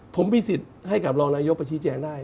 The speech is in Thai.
ผมมีสิทธิ์ให้กับรองนายกประชี้แจงได้